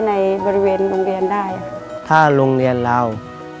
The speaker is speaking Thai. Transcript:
ในแคมเปญพิเศษเกมต่อชีวิตโรงเรียนของหนู